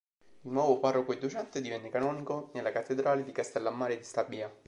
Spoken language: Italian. Di nuovo parroco e docente, divenne canonico nella Cattedrale di Castellammare di Stabia.